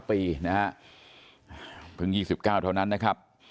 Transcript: เพิ่ง๒๙เท่านั้นนะครับ